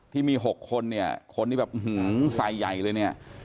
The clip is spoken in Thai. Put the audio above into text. ที่มี๖คนคนที่แบบสายใหญ่เลยนี่